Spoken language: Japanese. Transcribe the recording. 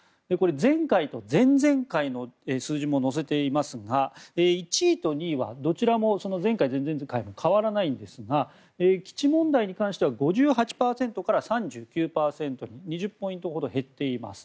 前回と前々回の数字も載せていますが１位と２位はどちらも前回、前々回と変わらないんですが基地問題に関しては５８％から３９％に２０ポイントほど減っています。